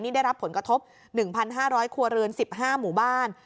ได้รับผลกระทบ๑๕๐๐ครัวเรือน๑๕หมู่บ้าน